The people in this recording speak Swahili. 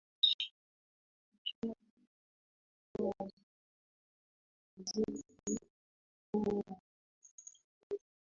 nichola eden alikuwa mtoto wa waziri mkuu wa uingereza